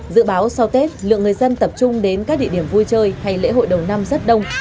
dự báo sau tết lượng người dân tập trung đến các địa điểm vui chơi hay lễ hội đầu năm rất đông